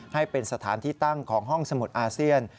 ให้เป็นสถานที่ตั้งของห้องสมุดอาเซียน